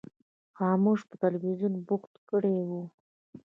خاموش په تلویزیون بوخت کړی و.